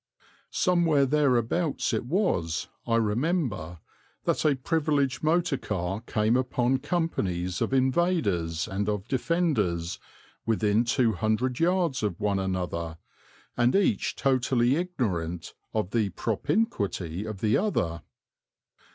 Somewhere thereabouts it was, I remember, that a privileged motor car came upon companies of invaders and of defenders, within two hundred yards of one another, and each totally ignorant of the propinquity of the other.